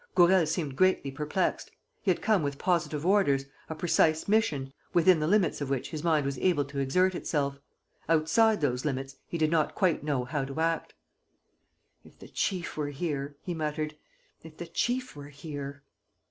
..." Gourel seemed greatly perplexed. He had come with positive orders, a precise mission, within the limits of which his mind was able to exert itself. Outside those limits he did not quite know how to act: "If the chief were here," he muttered, "if the chief were here.